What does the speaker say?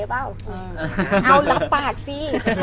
เอาดูแลรับปากสิ